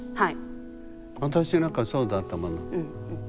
私なんかそうだったもの。